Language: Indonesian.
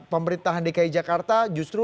pemerintahan dki jakarta justru